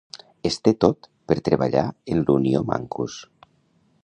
Es té tot per treballar en l'Unio Mancus.